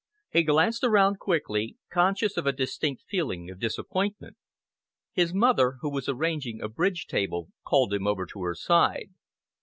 He glanced around quickly, conscious of a distinct feeling of disappointment. His mother, who was arranging a bridge table, called him over to her side.